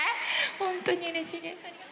本当にうれしいです。